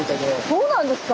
そうなんですか！